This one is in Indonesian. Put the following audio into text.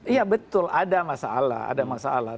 iya betul ada masalah